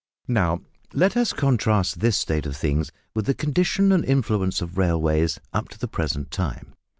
Now, let us contrast this state of things with the condition and influence of railways up to the present time.